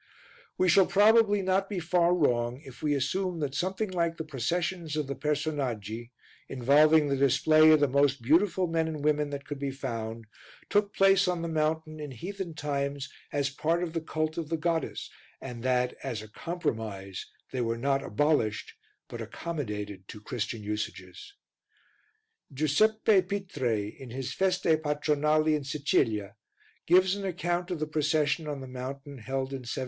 We shall probably not be far wrong if we assume that something like the processions of the Personaggi, involving the display of the most beautiful men and women that could be found, took place on the mountain in heathen times as part of the cult of the goddess and that, as a compromise, they were not abolished but accommodated to Christian usages. Giuseppe Pitre, in his Feste Patronali in Sicilia, gives an account of the procession on the mountain held in 1752.